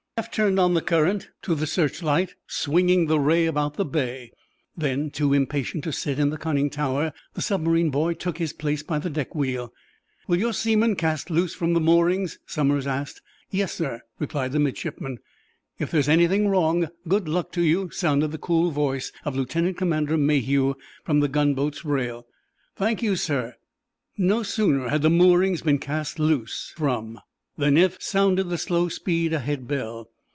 Eph turned on the current to the search light, swinging the ray about the bay. Then, too impatient to sit in the conning tower, the submarine boy took his place by the deck wheel. "Will your seamen cast loose from the moorings?" Somers asked. "Yes, sir," replied the midshipman. "If there's anything wrong, good luck to you," sounded the cool voice of Lieutenant Commander Mayhew, from the gunboat's rail. "Thank you, sir." No sooner had the moorings been cast loose from than Eph sounded the slow speed ahead bell.